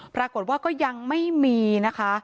ปรากฏว่าก็ยังไม่มีนะคะ